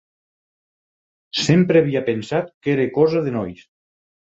Sempre havia pensat que era cosa de nois.